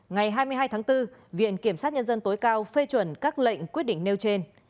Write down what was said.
ngày hai mươi hai tháng bốn viện kiểm sát nhân dân tối cao phê chuẩn các lệnh quyết định nêu trên